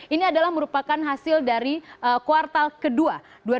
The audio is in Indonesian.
ini adalah merupakan hasil dari kuartal kedua dua ribu dua puluh